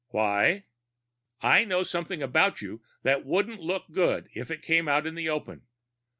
"Why?" "I know something about you that wouldn't look good if it came out in the open.